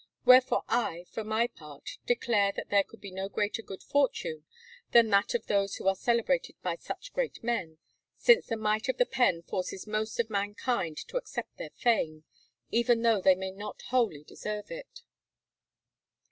Wherefore I, for my part, declare that there could be no greater good fortune than that of those who are celebrated by such great men, since the might of the pen forces most of mankind to accept their fame, even though they may not wholly deserve it.